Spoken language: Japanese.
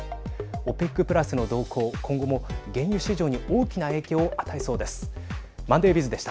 ＯＰＥＣプラスの動向、今後も原油市場に大きな影響を与えそうです。